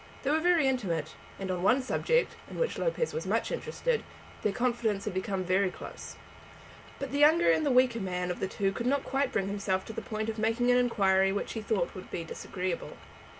They were very intimate; and on one subject, in which Lopez was much interested, their confidence had been very close. But the younger and the weaker man of the two could not quite bring himself to the point of making an inquiry which he thought would be disagreeable.